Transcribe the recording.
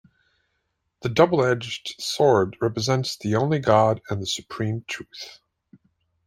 The double edged sword represents the only God and the supreme truth.